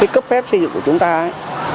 cái cấp phép xây dựng của chúng ta ấy